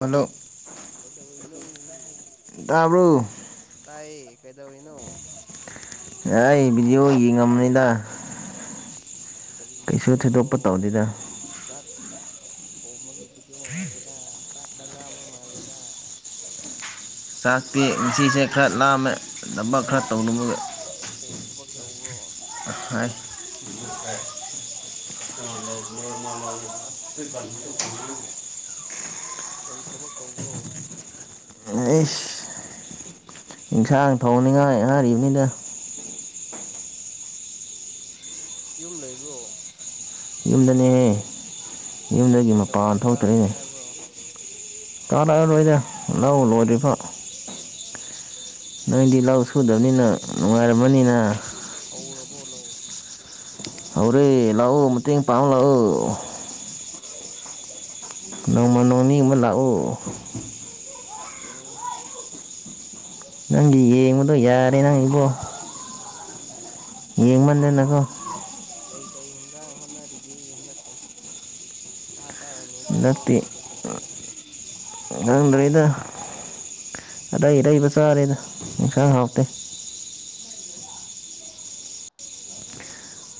hello ꯀꯩꯗꯧꯔꯤꯅꯣ ꯇꯕ꯭ꯔꯨ ꯇꯥꯏ ꯀꯩꯗꯅ ꯑꯩ ꯚꯤꯗꯤꯑꯣ ꯌꯦꯡꯉꯕꯅꯤꯗ ꯀꯔꯤꯒꯤꯕꯤꯗꯤꯑꯣꯅꯣ ꯇꯧꯗꯦꯗ ꯆꯥꯛ ꯊꯣꯡꯕꯒꯤ ꯗ ꯃꯥꯦꯗ ꯁꯥꯈꯔ ꯂꯥꯕ ꯃꯥꯦꯗ ꯆꯥꯛꯇꯤ ꯉꯟꯁꯤꯁꯦ ꯈꯔ ꯂꯥꯝꯃꯦ ꯊꯕꯛ ꯈꯔ ꯇꯧꯔꯃꯒ ꯀꯩ ꯊꯕꯛꯇ ꯇꯧ ꯍꯥꯏ ꯑꯥ [unintelligible] ꯀꯔꯤ ꯊꯕꯛ ꯇꯧꯕ꯭ꯔꯣ ꯑꯩꯁ ꯏꯟꯁꯥꯡ ꯊꯥꯎꯅꯤꯡꯉꯥꯏ ꯍꯥꯏꯔꯤꯕꯅꯤꯅ ꯎꯝ ꯌꯨꯝ ꯂꯩꯕ꯭ꯔꯣ ꯌꯨꯝꯗꯅꯦꯍꯦ ꯌꯨꯝꯗꯒꯤ ꯃꯄꯥꯟ ꯀꯩꯗꯧꯉꯩ ꯀꯥꯔꯛꯀꯦ ꯊꯣꯛꯇ꯭ꯔꯦꯅꯦ ꯍꯥꯏꯕ꯭ꯔꯣ ꯀꯥꯔꯛꯑ ꯂꯣꯏꯔꯦ ꯂꯧ ꯂꯣꯏꯔꯤꯕ ꯎꯝ ꯅꯣꯏꯗꯤ ꯂꯧ ꯁꯨꯗꯕꯅꯤꯅ ꯅꯨꯡꯉꯥꯏꯔꯝꯃꯅꯤꯅ ꯐꯣꯂꯣ ꯍꯧꯔꯦ ꯂꯥꯛꯑꯣ ꯃꯇꯦꯡ ꯄꯥꯡ ꯂꯥꯛꯑꯣ ꯅꯣꯡꯃ ꯅꯣꯡꯅꯤ ꯑꯃ ꯂꯥꯛꯎ ꯌꯦꯡꯁꯨ ꯅꯪꯒꯤ ꯌꯦꯡꯕꯗꯣ ꯌꯥꯔꯦ ꯅꯪ ꯏꯕꯨꯣ ꯑꯣ ꯌꯦꯡꯃꯗꯅꯀꯣ ꯀꯩ ꯀꯩ ꯏꯟꯖꯥꯡ ꯍꯣꯠꯅꯔꯤꯒꯦ ꯍꯟꯗꯛꯄꯣ ꯁꯥ ꯆꯥꯔꯝꯅꯤꯗ ꯂꯧ ꯅꯠꯇ ꯆꯠꯄꯒꯤ ꯉꯪꯗꯗ ꯑꯔꯩꯔꯩꯕ ꯁꯥꯔꯦꯗ ꯑꯁꯥ ꯍꯥꯞꯇ ꯎꯝ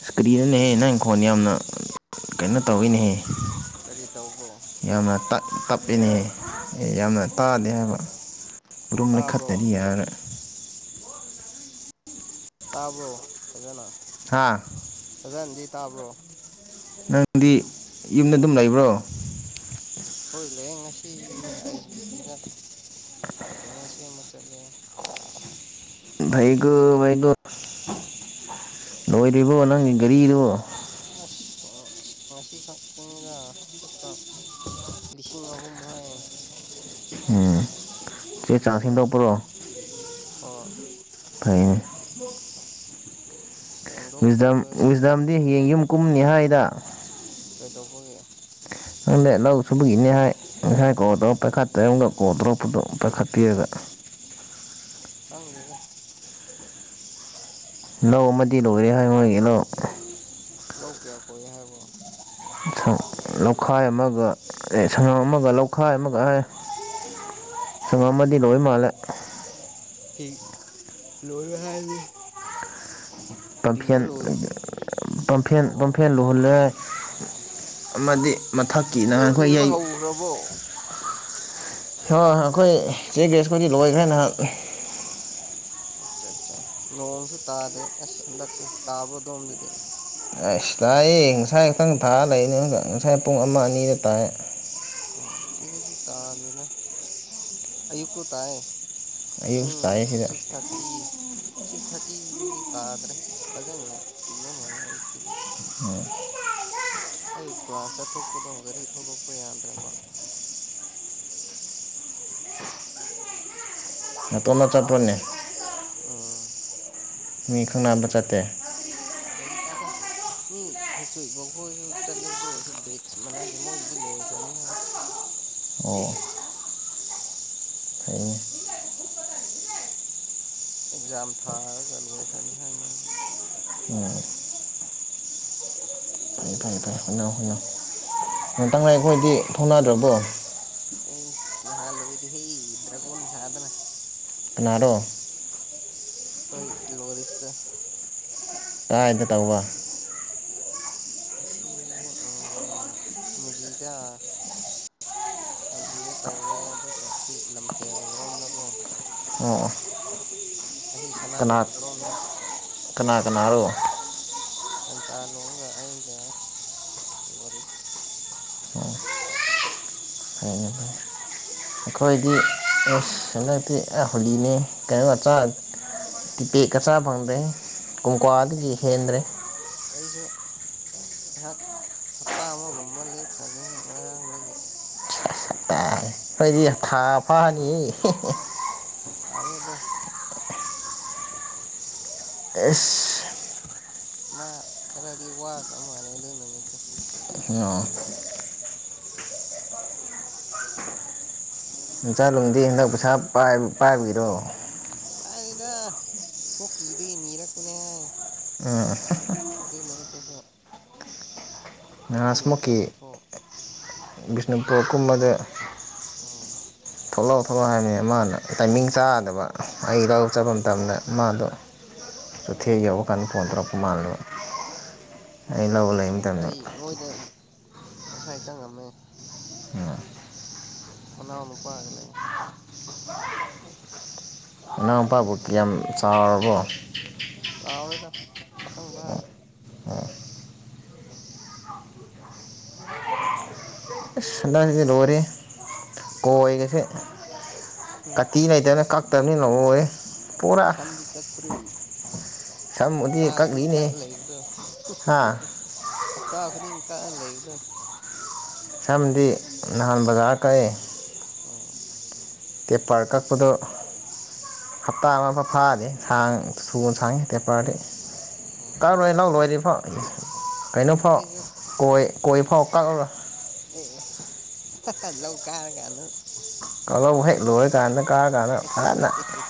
ꯏꯁꯀ꯭ꯔꯤꯟ ꯑꯅꯦꯍꯦ ꯅꯪꯪꯈꯣꯟ ꯌꯥꯝꯅ ꯀꯩꯅꯣ ꯇꯧꯤꯅꯦꯍ ꯀꯔꯤ ꯇꯧꯕ꯭ꯔꯣ ꯌꯥꯝꯅ ꯇ ꯇꯞꯄꯤꯅꯦꯍ ꯌꯥꯝꯅ ꯇꯥꯗꯦ ꯍꯥꯏꯕ ꯔꯨꯝꯨꯝꯂ ꯇꯥꯕ꯭ꯔꯣ ꯈꯇꯔꯤꯌꯔ ꯇꯥꯔꯕ꯭ꯔꯣ ꯇꯖꯦꯅ ꯍꯥꯥ ꯇꯥꯕ꯭ꯔꯣ ꯅꯪꯗꯤ ꯌꯨꯝꯗ ꯑꯗꯨꯝ ꯂꯩꯕ꯭ꯔꯣ ꯍꯣꯏ ꯂꯩꯌꯦ ꯉꯁꯤ ꯑꯥꯏ ꯑꯦꯁ ꯕꯤ ꯇꯤꯗ ꯀꯩꯅꯩꯅ ꯁꯤ ꯃ ꯆꯜꯂꯦ ꯩꯒꯣꯩꯒꯣ ꯂꯣꯏ꯭ꯔꯤꯕꯣ ꯅꯪꯒꯤ ꯒꯥꯔꯤꯗꯣ ꯑꯁ ꯑꯁ ꯉꯁꯤ ꯈꯛꯇꯪꯅꯤꯗ ꯆꯠꯄ ꯂꯤꯁꯤꯡ ꯑꯍꯨꯝ ꯍꯥꯏ ꯆ ꯆꯥꯁꯤꯡꯗ ꯄꯔꯣ ꯑ ꯐꯥꯏ ꯁꯦꯡꯗꯣꯛꯍꯧꯕ꯭ꯔꯥ ꯁꯦꯡꯅ ꯁꯁꯗꯥꯗꯤ ꯍꯌꯦꯡ ꯌꯨꯝ ꯀꯨꯝꯅꯤ ꯍꯥꯏꯗ ꯀꯩꯗꯧꯕꯒꯦ ꯅꯪꯗ ꯂꯧ ꯁꯨꯕꯒꯤꯅꯦ ꯍꯥꯏ ꯉꯁꯥꯏ ꯀꯣꯗ ꯄꯥꯏꯈꯠ ꯑꯃꯝꯒ ꯀꯣꯗꯔꯣꯄꯗꯣ ꯄꯥꯏꯈꯠꯄꯤꯔꯒ ꯀꯪꯦꯗ ꯂꯧ ꯑꯃꯗꯤ ꯂꯣꯏꯔꯦ ꯍꯥꯏꯣꯏ ꯃꯣꯏꯒꯤꯗꯣ ꯂꯧꯀꯦ ꯑꯩꯈꯣꯏ ꯍꯥꯏꯕ꯭ꯔꯣ ꯂꯧꯈꯥꯏ ꯑꯃꯒ ꯑꯦ ꯁꯪꯉꯝ ꯑꯃꯒ ꯂꯧꯈꯥꯏ ꯑꯃꯒ ꯍꯥꯏ ꯁꯪꯒꯃꯥꯗꯤ ꯂꯣꯍꯤ ꯃꯜꯦ ꯍꯤ ꯂꯣꯏꯕ ꯍꯥꯏꯗꯤꯦ ꯄꯝꯄꯤꯤꯟ ꯄꯝꯐꯦꯟ ꯑꯣ ꯑꯣ ꯄꯝꯐꯦꯟ ꯂꯨꯍꯜꯂꯦ ꯑꯣ ꯑꯃꯗꯤ ꯃꯊꯛꯀꯤ ꯅ ꯑꯩꯈꯣꯏꯩ ꯄ꯭ꯔꯕꯣ ꯍꯣꯏ ꯑꯩꯈꯣꯏ ꯆꯦꯛ ꯒꯦꯁꯄꯨꯗꯤ ꯂꯣꯏꯈ꯭ꯔꯦ ꯅꯍꯥꯛ ꯑꯠꯆꯥ ꯑꯠꯆꯥ ꯅꯣꯡꯁꯨ ꯇꯥꯗꯦ ꯑꯁ ꯍꯟꯗꯛꯁꯦ ꯇꯥꯕ꯭ꯔꯣꯗꯣꯝꯗꯨꯗꯤ ꯑꯁ ꯂꯥꯛꯏ ꯉꯁꯥꯏ ꯈꯇꯪ ꯊꯥ ꯂꯩꯅꯦ ꯉꯁꯥꯏ ꯄꯨꯡ ꯑꯃ ꯑꯅꯤꯗ ꯇꯥꯏ ꯑ ꯁꯤꯗꯗꯤ ꯇꯥꯗꯅ ꯑꯌꯨꯛꯇ ꯇꯥꯌꯦ ꯄꯨꯡ ꯑꯌꯨꯛꯁꯨ ꯇꯥꯏ ꯁꯤꯗ ꯁꯤꯛꯁ ꯊꯥꯔꯇꯤ ꯁꯤꯛꯁ ꯊꯥꯔꯇꯤꯗꯗꯤ ꯇꯥꯗ꯭ꯔꯦ ꯑꯁ ꯐꯖꯅ ꯆꯨꯕ ꯃꯜꯂꯦ ꯑꯌꯨꯛꯇꯗꯤ ꯑꯩ ꯀ꯭ꯂꯥꯁ ꯆꯠꯊꯣꯛꯄꯗꯧ ꯀꯔꯤ ꯊꯗꯣꯛꯄ ꯌꯥꯗ꯭ꯔꯕ ꯇꯣꯃ ꯆꯠꯄꯣꯟꯅꯦ ꯎꯝ ꯃꯤ ꯈꯪꯅꯕ ꯆꯠꯇꯦ ꯂꯩꯇꯦꯗ ꯃꯤ ꯍꯦꯛꯁꯨꯕꯈꯣꯏꯔꯁꯨ ꯆꯠꯂꯦ ꯑꯗꯨ ꯑꯣꯏꯔꯁꯨ ꯕꯦꯠꯁ ꯃꯅꯥꯗꯦ ꯃꯣꯏꯒꯤꯗꯤ ꯂꯣꯏꯈ꯭ꯔꯦ ꯀꯅꯤ ꯍꯥꯏ ꯑꯣ ꯐꯩꯅꯦ ꯑꯦꯛꯖꯥꯝ ꯊꯥꯔꯒ ꯂꯣꯏꯈ꯭ꯔꯅꯤ ꯍꯥꯏꯣꯏ ꯃꯣꯏꯗꯤ ꯐꯩ ꯇꯪ ꯂ ꯑꯩꯈꯣꯏꯗꯤ ꯊꯧꯅꯗ꯭ꯔꯕꯣ ꯑꯩ ꯏꯁꯅꯍꯥ ꯂꯣꯏꯔꯤ ꯍ ꯏꯗ꯭ꯔ ꯀꯅ ꯁꯥꯗꯅ ꯀꯅꯔꯣ ꯀꯣꯏ ꯂꯣꯔꯤꯁꯇ ꯇꯥꯏꯗ ꯇꯧꯕꯕ ꯑꯁꯤ ꯃꯨꯖꯤꯗ ꯃꯨꯖꯤꯗ ꯇꯧꯔꯦ ꯑꯗꯨꯒ ꯁꯤ ꯂꯝꯐꯦꯜꯔꯣꯝꯅꯀꯣ ꯑꯣ ꯑꯁꯤ ꯁꯅꯥ ꯀꯅꯥ ꯀꯩꯊꯦꯜꯔꯣꯝꯗ ꯀꯅꯥ ꯀꯅꯥꯔꯣ ꯑꯟ ꯆꯥ ꯂꯨꯒ ꯑꯩꯒ ꯂꯔꯤꯁ ꯍꯥꯏ ꯑꯁ ꯑꯩꯈꯣꯏꯗꯤ ꯇꯩ ꯑꯍꯨ ꯂꯤꯅꯦ ꯀꯩꯅꯣ ꯆꯥ ꯇꯤ ꯄꯀ ꯆꯥ ꯐꯪꯗꯦ ꯀꯨꯝꯀ꯭ꯋꯥꯗꯗꯒꯤ ꯍꯦꯟꯗ꯭ꯔꯦ ꯉꯍꯥꯛ ꯍꯞꯇꯥ ꯑꯃꯒꯨꯝꯕ ꯂꯦꯞꯈ꯭ꯔꯒꯦ ꯉꯔꯥꯡꯗꯒꯤ ꯇ ꯑꯩꯗꯤ ꯊꯥ ꯐꯥꯅꯤ ꯐꯔꯦꯗꯣ ꯑꯦ ꯃꯥ ꯈꯔꯗꯤ ꯋꯥꯈ꯭ꯔ ꯃꯥꯅꯦ ꯑꯗꯨ ꯅꯃꯤꯠꯇ ꯑꯣ [unintelligible] ꯃꯆꯥꯂꯣꯝꯗꯤ ꯍꯟꯗꯛ ꯄꯩꯁꯥ ꯄꯥꯏꯕꯤꯔꯣ ꯄꯥꯏꯗ ꯁꯃꯛ ꯀꯗꯅꯤꯔꯄꯅꯦ ꯎꯝ [unintelligible] ꯑꯗꯨ ꯅꯁꯣ ꯑꯩꯅ ꯈꯔ ꯅꯍꯥꯟꯁꯃꯨꯛꯀꯤ ꯄꯨꯊꯣꯛꯎ ꯕꯤꯁꯅꯨꯄꯨꯔ ꯀꯨꯝꯕꯗ ꯎꯝ ꯊꯣꯛꯂꯛꯑꯣ ꯊꯣꯛꯂꯛꯑꯣ ꯍꯥꯏꯕꯅꯤ ꯃꯥꯅ ꯇꯥꯏꯃꯤꯡ ꯆꯥꯗꯕ ꯑꯩ ꯂꯧꯔꯣꯛꯆꯠꯕ ꯃꯇꯝꯗ ꯃꯥꯗꯣ ꯆꯣꯊꯦꯛ ꯌꯧꯔ ꯀꯥꯟꯗ ꯐꯣꯟ ꯇꯧꯔꯛꯄ ꯃꯥꯜꯂꯦꯕ ꯑ ꯂꯧ ꯂꯩ ꯑꯩ ꯃꯣꯏꯗ ꯉꯁꯥꯏ ꯆꯪꯉꯝꯃꯦ ꯑꯣꯅꯥ ꯑꯣꯅꯄꯥꯒꯂꯦ ꯑꯅꯥꯎ ꯅꯨꯄꯥꯕꯨ ꯀꯌꯥꯝ ꯆꯥꯎꯔꯕꯣ ꯆꯥꯎꯔꯣꯏꯗ ꯄꯈꯪ ꯐꯔꯦ ꯑ ꯁꯟꯗꯁꯤ ꯂꯣꯏꯔꯦ ꯀꯣꯏꯒꯁꯦ ꯍꯨꯝ ꯀꯠꯇꯤ ꯂꯩꯇꯅ ꯀꯛ ꯇꯅꯤ ꯂꯧꯉꯦ ꯆꯝꯗꯤ ꯀ ꯄꯨꯔꯤ ꯁꯝꯕꯨꯗꯤ ꯍꯥꯞꯇꯥꯈꯗꯤ ꯏꯀ ꯀꯛꯂꯤꯅꯦ ꯂꯩꯕꯗꯣ ꯍꯥ ꯍꯥꯞꯇꯥ ꯈꯗꯤ ꯏꯪꯀ ꯂꯩꯕꯗꯣ ꯁꯝꯗꯤ ꯅꯍꯥꯟ ꯕꯖꯥꯔ ꯀꯛꯑꯦ ꯑꯣ ꯇ ꯄ꯭ꯔꯀꯥꯄꯗ ꯍꯞꯇꯥ ꯑꯃ ꯐꯥꯗꯤꯦ ꯁꯨꯅ ꯁꯥꯡꯉꯤ ꯇꯄꯥꯔꯗꯤ ꯎꯝ ꯀꯥꯔꯣꯏ ꯂꯥꯛ ꯂꯣꯏꯔꯐꯣ ꯀꯩꯅꯣꯐꯥꯎ ꯑꯩꯁꯨ ꯀꯣꯏ ꯀꯣꯏ ꯐꯥꯎ ꯀꯥ ꯑꯦ ꯂꯧꯧ ꯀꯥꯔ ꯀꯅꯨ ꯑꯂꯧꯕ ꯍꯦꯛ ꯂꯣꯏꯔꯀꯥꯟꯗ ꯀꯥꯔꯀꯥꯟꯗ ꯐꯅ ꯑꯦ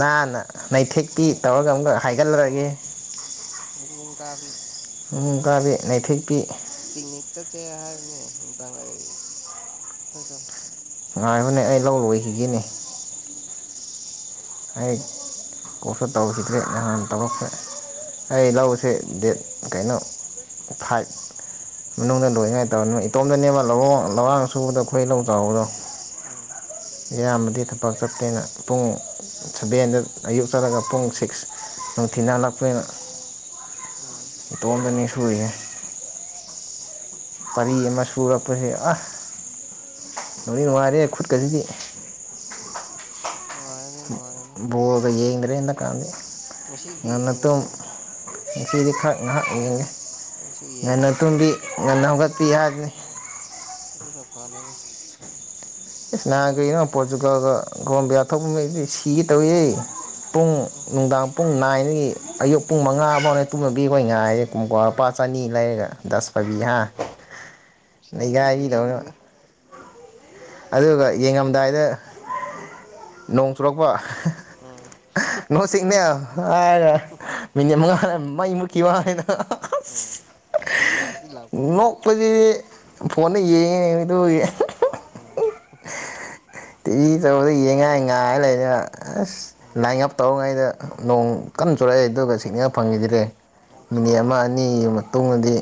ꯅꯥꯟꯅ ꯅꯩꯊꯦꯛꯀꯤ ꯇꯧꯔꯒ ꯑꯃꯨꯛꯀ ꯍꯥꯏꯒꯠꯂꯨꯔꯒꯦ ꯒꯥꯕꯤ ꯎꯃꯨꯡ ꯀꯥꯕꯤ ꯅꯩꯐꯤꯦꯛꯄꯤ ꯄꯤꯛꯅꯤꯛ ꯆꯠꯁꯦ ꯍꯥꯏꯕꯅꯤ ꯅꯨꯡꯗꯥꯪ ꯑꯩ ꯑꯩꯣꯏꯗꯧ ꯉꯥꯏꯕꯅꯦ ꯑꯩ ꯂꯧ ꯂꯣꯏꯈꯤꯒꯅꯦ ꯎꯝ ꯑꯩ ꯀꯣꯔꯁ ꯇꯧꯁꯤꯗ꯭ꯔꯦ ꯅꯥꯟ ꯇꯧꯕꯛꯈ ꯑꯩ ꯂꯁꯦ ꯗꯦꯠ ꯀꯩꯅꯣ ꯐꯥꯏꯚ ꯃꯅꯨꯡꯗ ꯂꯣꯏꯉꯥꯏꯇꯕ ꯏꯇꯣꯝꯗꯅꯦꯕ ꯂꯍꯣꯡ ꯂꯋꯥꯥꯡ ꯁꯨꯕꯗ ꯈꯨꯈꯣꯏ ꯂꯧ ꯆꯥꯎꯕꯗꯣ ꯎꯝ ꯏꯌꯥꯝꯕꯗꯤ ꯊꯝꯄꯥꯛ ꯆꯠꯇꯦꯅ ꯄꯨꯡ ꯁꯚꯦꯟꯗ ꯑꯌꯨꯛ ꯆꯠꯂꯒ ꯄꯨꯡ ꯁꯤꯛꯁ ꯅꯨꯡꯊꯤ ꯜꯂꯛꯄꯅ ꯎꯝ ꯏꯇꯣꯝꯗꯅꯤ ꯁꯨꯔꯤꯁꯦ ꯄꯔꯤ ꯃꯁꯨꯔꯄꯁꯦ ꯑ ꯅ ꯃꯅꯨꯡꯉꯔꯤꯦ ꯈꯨꯨꯠꯀꯁꯤꯗꯤ ꯅꯨꯡꯉꯥꯏꯔꯅꯤ ꯅꯨꯡꯉꯥꯏꯔꯅꯤ ꯕꯣꯒ ꯌꯦꯡꯒ꯭ꯔꯦꯅ ꯀꯥꯟꯗꯤ ꯃꯁꯤꯒꯗꯤ ꯌꯦꯉꯗ꯭ꯔꯣ ꯆꯤꯗꯈꯥꯏ ꯅꯍꯥꯛ ꯑꯩꯁꯨ ꯉ ꯌꯦꯡꯒꯦ ꯇꯨꯡꯕꯤ ꯉ ꯅꯧꯒꯄꯤ ꯌꯥ ꯐꯅꯦꯅ ꯏꯁꯁ ꯅꯍ ꯀꯩꯅꯣ ꯄꯣꯔꯆꯨꯒꯥꯜꯒ ꯒꯣꯕꯤꯌꯥ ꯊꯣꯛꯄꯩꯗꯤ ꯁꯤꯒ ꯇꯧꯌꯦ ꯄꯨꯡ ꯎꯝ ꯅꯨꯡꯗꯥꯡ ꯄꯨꯡ ꯅꯥꯏꯒꯤ ꯑꯌꯨꯛ ꯄꯨꯡ ꯃꯉꯥ ꯐꯥꯎꯅꯦ ꯇꯨꯝꯅꯕꯤ ꯑꯩꯈꯣꯏ ꯉꯥꯏꯔꯦꯨꯡ ꯂꯨꯄꯥ ꯆꯅꯤ ꯂꯩꯔꯒ ꯗꯁ ꯐꯕꯤꯍꯥ ꯑꯁ ꯑꯩꯗꯤ ꯂꯩꯒꯥꯏꯒꯤꯗꯧꯅ ꯌꯦꯡꯗ꯭ꯔꯦ ꯑꯗꯨꯒ ꯌꯦꯡꯉꯝꯗꯥꯏꯗ ꯅꯣꯡ ꯆꯨꯔꯛꯄ ꯎꯝ ꯅ ꯁꯤꯛꯅꯦ ꯃꯤ ꯃꯉ ꯃꯩ ꯃꯨꯛꯈꯤꯕ ꯍꯥꯏꯅ ꯑꯣ ꯅꯣꯛꯄꯁꯤ ꯐꯣꯟꯗ ꯌꯦꯡꯉꯤꯗꯨ ꯑꯣꯝ ꯇꯤꯚꯤ ꯇꯧꯕꯗ ꯌꯦꯡꯉꯥꯏ ꯉꯥꯏ ꯂꯩꯗꯅ ꯑꯁ ꯎꯝ ꯂꯥꯏꯟ ꯑꯞ ꯇꯧꯔꯤꯉꯩꯗ ꯅꯣꯡ ꯀꯟꯅ ꯆꯨꯔꯛꯑꯦ ꯑꯗꯨꯒ ꯁꯤꯛꯅꯤꯡꯉ ꯐꯪꯉꯤꯗꯔꯦ ꯑꯠꯆꯥ ꯃꯤꯅꯤꯠ ꯑꯃ ꯑꯅꯤ ꯃꯇꯨꯡꯨꯡꯗꯗꯤ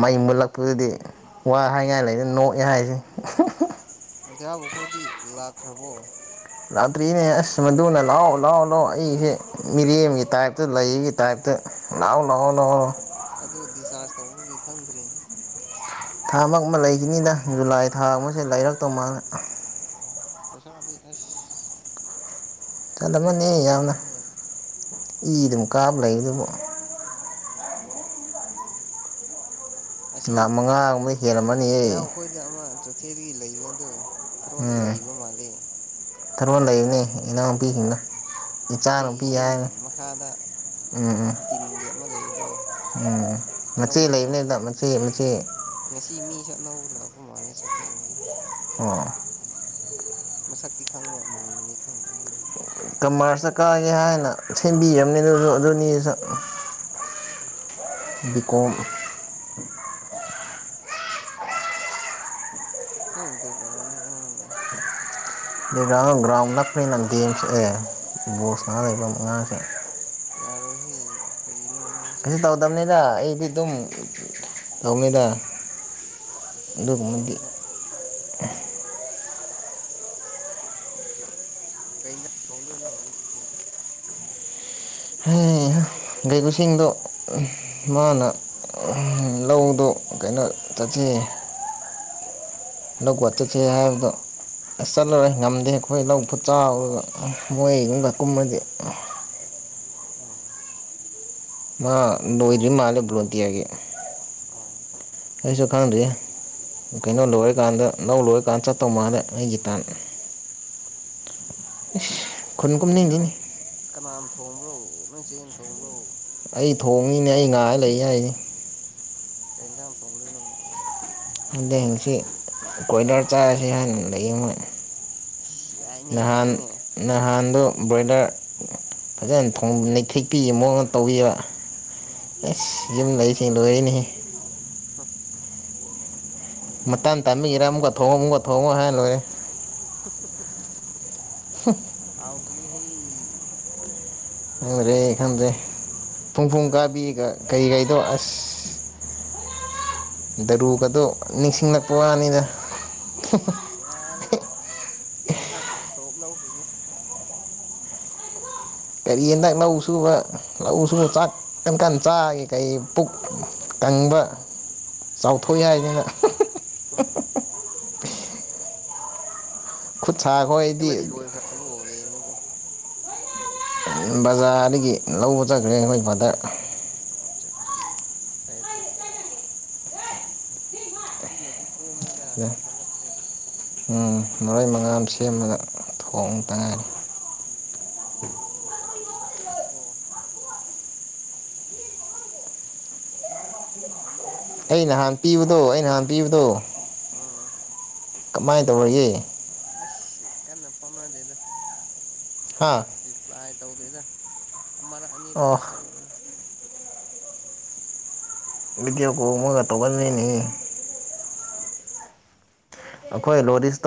ꯃꯩ ꯃꯨꯜꯂꯛꯄꯗꯗꯤ ꯋꯥ ꯍꯥꯏꯉꯥꯏ ꯂꯩꯗꯅ ꯅꯣꯛꯑꯦ ꯍꯥꯏꯁꯦ ꯂꯩꯔꯥꯛꯕ ꯑꯩꯈꯣꯏꯗꯤ ꯂꯥꯛꯈ꯭ꯔꯕꯣ ꯂꯥꯛꯇ꯭ꯔꯤꯅꯦ ꯑꯁ ꯃꯗꯨꯅ ꯂꯥꯛꯑꯣ ꯂꯥꯛꯑꯣ ꯂꯥꯛꯑꯣ ꯑꯩꯁꯦ ꯃꯤꯔꯦꯝꯒꯤ ꯇꯥꯏꯞꯇ ꯂꯩꯒꯤ ꯇꯥꯏꯞꯇ ꯅꯎꯅꯧꯅꯣ ꯇꯧꯕꯒꯤꯦ ꯈꯪꯗ꯭ꯔꯔꯤ ꯊꯥ ꯃ ꯑꯃ ꯂꯩꯈꯤꯅꯤꯅ ꯖꯨꯂꯥꯏ ꯊꯥ ꯑꯃꯁꯦ ꯂꯩꯔꯛꯇꯧ ꯃꯥꯜꯂ ꯑꯣ ꯄꯩꯁꯥꯗꯤ ꯑꯦꯁ ꯑ ꯐꯦꯠꯇ ꯆꯠꯂꯝꯃꯅꯤ ꯌꯥꯝꯅ ꯆꯉꯃꯅꯤ ꯏ ꯑꯗꯨꯝ ꯀꯥꯞꯕ ꯂꯩ ꯑꯗꯨꯕꯨ ꯎꯝ ꯑꯁꯤ ꯅꯍꯥꯛ ꯃꯉꯥꯒꯨꯝꯕ ꯍꯦꯜꯂꯝꯝꯃꯅꯤꯌꯦ ꯆꯣꯠꯊꯦꯗꯒꯤ ꯂꯩꯕ ꯑꯗꯨ ꯊꯔꯣꯗ ꯂꯩꯕ ꯃꯥꯜꯂꯦ ꯊꯔꯃꯣꯟꯜ ꯂꯩꯕꯅꯦ ꯏꯅꯥꯎꯄꯤꯁꯤꯡꯅ ꯑꯩꯒꯤ ꯌꯨꯝ ꯃꯈꯥꯗ ꯎꯝ ꯎꯝ ꯇꯤꯟꯒꯤ ꯑꯃ ꯂꯩꯕꯗ꯭ꯔꯣ ꯎꯝ ꯃꯆꯦ ꯂꯩꯕꯅꯦꯗ ꯃꯆꯦ ꯃꯆꯦ ꯉꯁꯤ ꯃꯤꯁꯨ ꯑꯅꯧꯕ ꯂꯥꯛꯄ ꯃꯥꯜꯂꯦ ꯁꯣꯊꯦꯗꯒꯤ ꯑꯣ ꯃꯁꯛꯇꯤ ꯈꯪꯕ ꯃꯃꯤꯡꯅꯤ ꯈꯪꯗ ꯍꯥꯏꯅꯤ ꯀꯃꯔꯁꯇ ꯀꯥꯒꯦ ꯍꯥꯏꯅ ꯁꯦꯝꯕꯤꯝꯅꯤ ꯑꯗꯨ ꯑꯗꯨꯅꯤꯁꯨ ꯑ ꯕꯤꯀꯣꯝ ꯎꯝ ꯏꯇ ꯀ ꯎꯝ ꯭ꯔꯥꯎꯟ ꯂ ꯐ꯭ꯔꯤꯅ ꯒꯦꯝꯁ ꯑꯦ ꯕꯣꯁꯉꯅꯥ ꯂꯩꯕ ꯑꯉꯥꯡꯁꯦ ꯌꯥꯔꯣ ꯍ ꯀꯩꯁꯨ ꯇꯧꯗꯕꯅꯤꯗ ꯑꯩꯗꯤ ꯑꯗꯨꯝ ꯇꯧꯅꯤꯗ ꯑꯁ ꯑꯗꯨ ꯑꯗꯨꯒꯨꯝꯕꯗꯤ ꯑꯣꯏꯔꯁꯨ [inaudible] ꯀꯩ ꯏꯟꯖꯥꯡ ꯊꫭꯡꯗꫭꯏꯅꫭ ꯍꯧꯖꯤꯛꯇꯤ ꯍꯩ ꯍ ꯂꯩꯕꯁꯤꯡꯗꫭ ꯃꯥꯅ ꯎꯝ ꯂꯧꯗꯣ ꯀꯩꯅꯣ ꯆꯠꯁꯤ ꯂꯧꯕ ꯆꯠꯁꯦ ꯍꯥꯏꯕꯗꯣ ꯑꯁ ꯎꯝ ꯆꯠꯂꯔꫭꯏ ꯉꯝꯗꯦ ꯑꯩꯈꯣꯏ ꯂꯧ ꯐꯨꯠ ꯆꯥꯎꯗꯩꯒ ꯃꯣꯏꯒꯨꯝꯒ ꯀꯨꯝꯃꯗꯤ ꯎꯝ ꯃꯥ ꯂꯣꯏꯗ꯭ꯔꯤ ꯃꯥꯂꯦ ꯕ꯭ꯔꯣꯟꯇꯤꯌꯥꯒꯤ ꯑꯣ ꯑꯩꯁꯨ ꯈꯪꯗ꯭ꯔꯤ ꯀꯩꯅꯣ ꯂꯣꯏꯔꯀꯥꯟꯗ ꯅꯧ ꯂꯣꯏꯔꯀꯥꯟꯗ ꯆꯠꯇꯧ ꯃꯥꯜꯂꯦ ꯑꯩꯒꯤ ꯇꯟ ꯏꯁ ꯀꯩ ꯏꯟꯖꯥꯡ ꯀꯅꯥꯅ ꯊꯣꯡꯕ꯭ꯔꯣ ꯅꫭꯏ ꯆꯦꯅ ꯊꯣꯡꯕ꯭ꯔꯣ ꯑꯩ ꯊꯣꯡꯅꯤꯅꯦ ꯑꯩ ꯉꯥꯏ ꯂꯩ ꯍꯥꯏꯅꯦ ꯀꯩ ꯏꯟꯖꯥꯡ ꯊꯣꯡꯗꯣꯏꯅꯣ ꯈꯪꯗꯦ ꯉꯁꯤ ꯀꯣꯏꯂꯔ ꯆꯥꯔꯁꯤ ꯍꯥꯏꯅ ꯂꯩꯌꯦ ꯃꯣꯏ ꯑꯁ ꯌꯥꯏꯅꯦ ꯅꯍꯥꯟ ꯌꯥꯏꯅꯦ ꯅꯍꯥꯟꯗꫭ ꯕ꯭ꯔꯣꯏꯂꯔ ꯐꯖꯅ ꯊꫭꯡꯕ ꯅꯩꯊꯦꯛꯄꯤ ꯃꯑꯣꯡꯅ ꯇꯧꯕꯤꯕ ꯎꯝ ꯑꯦꯁ ꯌꯨꯝ ꯂꯩꯁꯤꯡ ꯂꯣꯏꯅꯦꯍꯦ ꯍ ꯃꯇꯥꯟ ꯇꯟꯕꯒꯤꯔꯥ ꯍꯥꯎ ꯑꯃꯨꯛꯀ ꯊꯣꯡꯉꯣ ꯑꯃꯨꯛꯀ ꯊꯣꯡꯉꯣ ꯍꯥꯏꯔ ꯂꯣꯏꯔꯦ ꯍꯥꯎꯕꯅꯤ ꯍꯦ ꯂꯨꯔꯦ ꯈꯪꯗ꯭ꯔꯦ ꯐꯨꯡ ꯐꯨꯡ ꯀꯥꯕꯤꯒ ꯀꯩꯀꯩꯗꯣ ꯑꯁ ꯎꯝ ꯗꯔꯨꯒꯗꯣ ꯅꯤꯡꯁꯤꯡꯂꯛꯄ ꯋꯥꯅꯤꯅ ꯎꯁ ꯌꯥꯔꯦꯗ ꯉꯥꯏꯍꯥꯛ ꯁꯇꯣꯞ ꯂꯧꯈꯤꯒꯦ ꯀꯔꯤ ꯍꯟꯗꯛ ꯂꯧ ꯁꯨꯕ ꯂꯧ ꯁꯨꯕ ꯆꯥꯛ ꯀꯟ ꯀꯟ ꯆꯥꯒꯦ ꯀꯩ ꯄꯨꯛ ꯀꯪꯕ [inaudible] ꯆꯥꯎꯊꯣꯛꯑꯦ ꯍꯥꯏꯗꯅ ꯍꯨꯝ ꯈꯨꯠ ꯁꯥ ꯁꯦꯝꯕꯗꯤ ꯑꯩꯈꯣꯏꯗꯤ ꯂꯣꯏꯈ꯭ꯔꯕꯣ ꯌꯦꯟꯗꯨꯕꯣ ꯕꯖꯥꯔꯗꯒꯤ ꯂꯧꯕ ꯆꯠꯈ꯭ꯔꯦ ꯑꯩꯈꯣꯏ ꯃꯥꯗꯔ ꯑꯠꯆꯥ ꯆꯥ ꯐꯩꯌꯦ ꯐꯩ ꯑꯗꯨꯅꯗꯤ ꯀꯣꯝꯃꯦꯗ ꯊꯕꯛꯇꯤ ꯎꯝ ꯃꯣꯔꯣꯏ ꯃꯉꯥꯝ ꯁꯦꯝꯃꯒ ꯊꯣꯡ ꯎꯝ ꯇꯥꯔꯤ ꯏꯒꫭ ꯑꯩ ꯅꯍꯥꯟ ꯄꯤꯕꯗꯣ ꯑꯩ ꯅꯍꯥꯟ ꯄꯤꯕꯗꯣ ꯎꯝ ꯀꯃꯥꯏꯅ ꯇꯧꯔꯒꯦ ꯑꯁ ꯀꯟꯅ ꯐꯥꯎꯅꯗꯦꯗ ꯍꯥ ꯔꯤꯄ꯭ꯂꯥꯏ ꯇꯧꯗꯦꯗ ꯑꯃꯔꯛ ꯑꯅꯤꯔꯛ ꯑꯣ ꯇꯤ ꯇꯧꯕꯅꯦ ꯚꯤꯗꯤꯑꯣ ꯀꫭꯜ ꯃꯒ ꯇꯧꯒꯟꯕꯅꯤꯅꯦ ꯑꯩꯈꯣꯏ ꯂꯣꯔꯤꯁꯇ